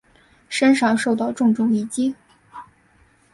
身上受到重重一击